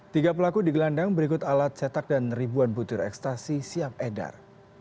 tiga pelaku digelandang berikut alat cetak dan ribuan butir ekstasi siap edar